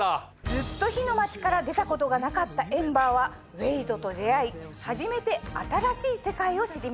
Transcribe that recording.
ずっと火の街から出たことがなかったエンバーはウェイドと出会い初めて新しい世界を知ります。